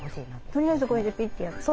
とりあえずこれでピッとやって。